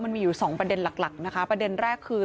มันมีอยู่สองประเด็นหลักหลักนะคะประเด็นแรกคือ